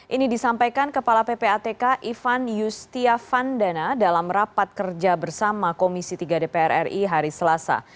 ini disampaikan kepala ppatk ivan yustiavandana dalam rapat kerja bersama komisi tiga dpr ri hari selasa